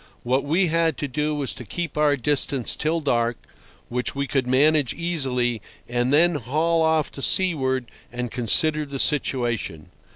What we had to do was to keep our distance till dark, which we could manage easily, and then haul off to seaward and consider the situation.